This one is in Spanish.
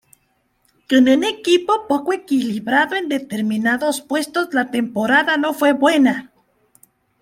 Con un equipo poco equilibrado en determinados puestos la temporada no fue buena.